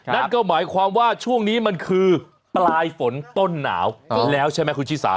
นั่นก็หมายความว่าช่วงนี้มันคือปลายฝนต้นหนาวแล้วใช่ไหมคุณชิสา